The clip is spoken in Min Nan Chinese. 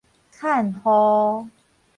看護